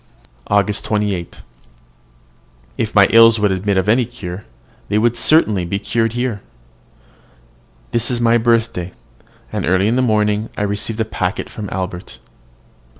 AUGUST 28. If my ills would admit of any cure, they would certainly be cured here. This is my birthday, and early in the morning I received a packet from Albert.